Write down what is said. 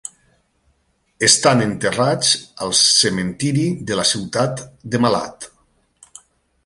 Estan enterrats al cementiri de la ciutat de Malad.